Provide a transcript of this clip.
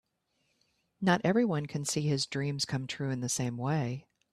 Not everyone can see his dreams come true in the same way.